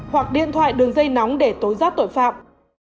hoặc điện thoại đường dây nóng để tối giác tội phạm